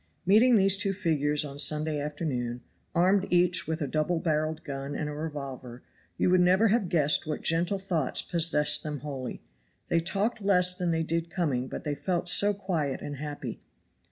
Meeting these two figures on Sunday afternoon, armed each with a double barreled gun and a revolver, you would never have guessed what gentle thoughts possessed them wholly. They talked less than they did coming, but they felt so quiet and happy.